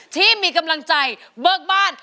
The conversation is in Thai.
ที่มีกำลังใจเบิกบ้าน